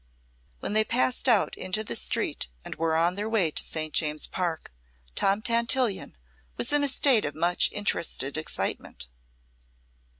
When they passed out into the street and were on their way to St. James's Park, Tom Tantillion was in a state of much interested excitement.